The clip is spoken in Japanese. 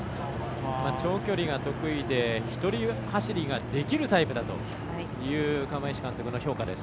長距離が得意で１人走りができるタイプだという釜石監督の評価です。